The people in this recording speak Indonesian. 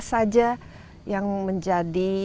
saja yang menjadi